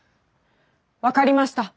分かりました。